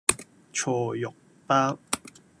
菜肉包